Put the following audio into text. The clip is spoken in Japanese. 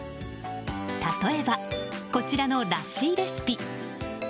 例えば、こちらのラッシーレシピ。